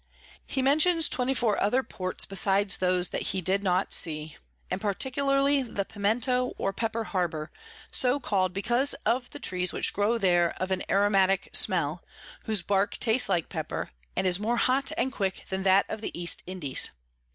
He mentions 24 other Ports besides those that he did not see, and particularly the Piemento or Pepper Harbour, so call'd because of the Trees which grow there of an Aromatick Smell, whose Bark tastes like Pepper, and is more hot and quick than that of the East Indies.